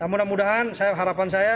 mudah mudahan harapan saya